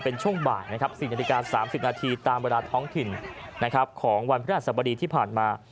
เป็นช่วงบ่ายนะครับ๔นาฬิกา๓๐นาทีตามเวลาท้องถิ่นของวันพฤหัสบดีที่ผ่านมา